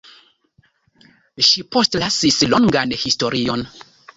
Ŝi postlasis longan historion.